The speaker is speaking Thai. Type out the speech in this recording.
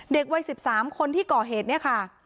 เด็กวัย๑๓คนที่ก่อเหตุเนี่ยค่ะ